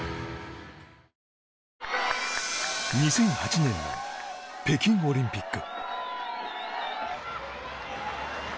２００８年の北京オリンピック。